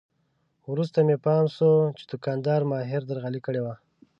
وروسته مې پام شو چې دوکاندار ماهره درغلي کړې وه.